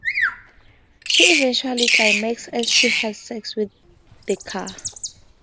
She eventually climaxes as she has sex with the car.